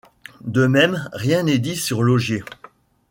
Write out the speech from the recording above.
De même, rien n’est dit sur Laugier.